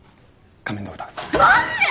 仮面ドクターズ！？